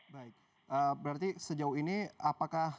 baik berarti sejauh ini apakah